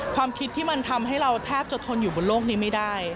ความคิดที่มันทำให้เราแทบจะทนอยู่บนโลกนี้ไม่ได้